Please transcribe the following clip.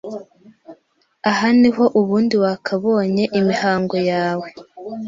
Aha niho ubundi wakabonye imihango yawe